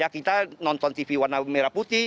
kita nonton tv warna merah putih